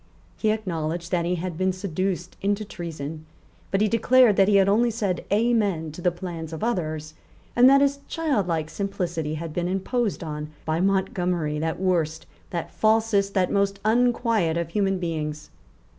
He acknowledged that he had been seduced into treason; but he declared that he had only said Amen to the plans of others, and that his childlike simplicity had been imposed on by Montgomery, that worst, that falsest, that most unquiet of human beings.